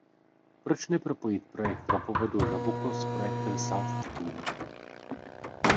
Proč nepropojit projekt ropovodu Nabucco s projektem South Stream?